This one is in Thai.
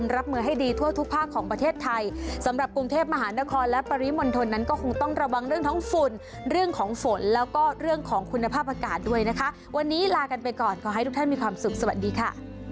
ระวังเรื่องท้องฝุ่นเรื่องของฝนแล้วก็เรื่องของคุณภาพอากาศด้วยนะคะวันนี้ลากันไปก่อนขอให้ทุกท่านมีความสุขสวัสดีค่ะ